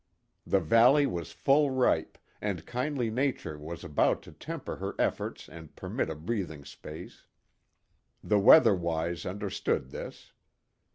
The valley was full ripe, and kindly nature was about to temper her efforts and permit a breathing space. The weather wise understood this.